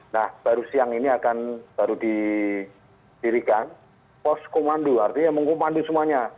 nah baru siang ini akan baru didirikan poskomando artinya mengkomando semuanya